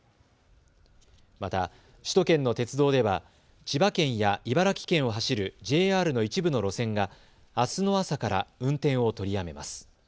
また、首都圏の鉄道では千葉県や茨城県を走るＪＲの一部の路線があすの朝から運転を取りやめます。